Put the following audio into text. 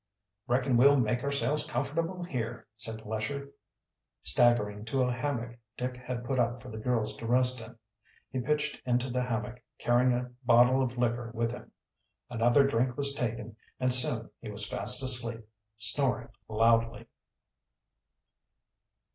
"Reckon we'll make ourselves comfortable here," said Lesher, staggering to a hammock Dick had put up for the girls to rest in. He pitched into the hammock, carrying a bottle of liquor with him. Another drink was taken, and soon he was fast asleep, snoring loudly.